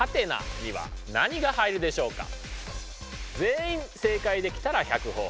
さて全員正解できたら１００ほぉ。